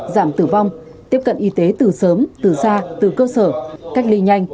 giảm tử vong tiếp cận y tế từ sớm từ xa từ cơ sở cách ly nhanh